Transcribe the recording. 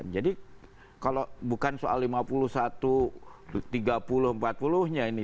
jadi kalau bukan soal lima puluh satu tiga puluh empat puluh nya ini